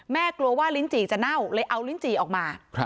กลัวว่าลิ้นจี่จะเน่าเลยเอาลิ้นจี่ออกมา